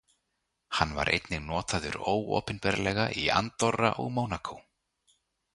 Hann var einnig notaður óopinberlega í Andorra og Mónakó.